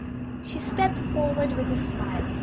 She stepped forward with a smile.